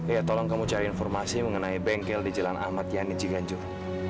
iya tolong kamu cari informasi mengenai bengkel di jalan ahmad yanit jiganjur